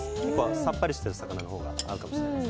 さっぱりしてる魚のほうが合うかもしれないです。